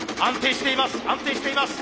安定しています。